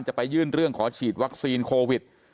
จะไปยื่นเรื่องขอฉีดวัคซีนโควิด